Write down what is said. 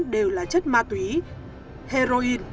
đều là chất ma túy heroin